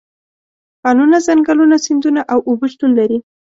کانونه، ځنګلونه، سیندونه او اوبه شتون لري.